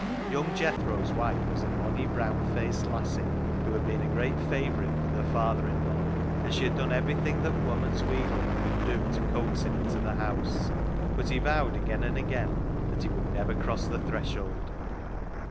Young Jethro's wife was a bonnie brown THE KNOCKER UP 151 faced lassie, who had been a great favourite with her father in law, and she had done everything that woman's wheedling could do to coax him into the house, but he vowed again and again that he would never cross the threshold.